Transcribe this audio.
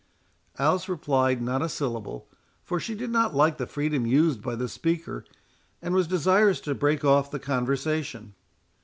Alice replied not a syllable, for she did not like the freedom used by the speaker, and was desirous to break off the conversation.